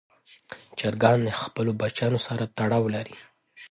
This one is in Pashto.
چرګان له خپلو بچیانو سره تړاو لري.